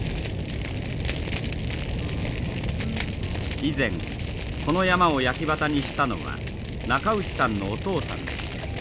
以前この山を焼畑にしたのは中内さんのお父さんです。